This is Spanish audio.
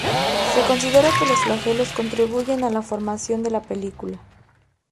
Se considera que los flagelos contribuyen a la formación de la película.